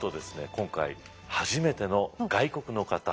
今回初めての外国の方。